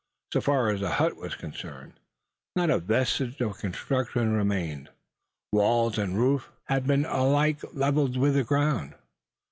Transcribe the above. So far as the hut was concerned, not a vestige of construction remained walls and roof had been alike levelled with the ground.